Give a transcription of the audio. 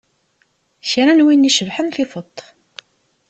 Kra n win i cebḥen tifeḍ-t.